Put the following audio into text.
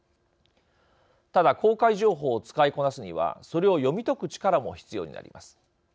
ただ公開情報を使いこなすにはそれを読み解く力も必要になります。